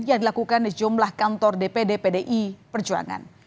yang dilakukan di jumlah kantor dpd pdi perjuangan